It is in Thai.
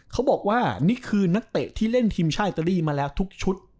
เขาบอกว่านี่คือนักเตะที่เล่นทีมชาติอิตาลีมาแล้วทุกชุด